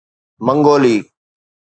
منگولي